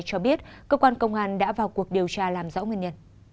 cho biết cơ quan công an đã vào cuộc điều tra làm rõ nguyên nhân